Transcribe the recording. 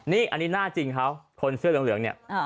นี่อันนี้หน้าจริงเขาคนเสื้อเหลืองเนี่ย